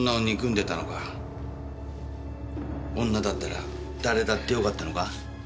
女だったら誰だってよかったのか？